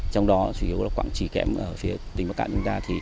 trong đó chủ yếu là quảng trì kém ở phía tỉnh bắc cạn chúng ta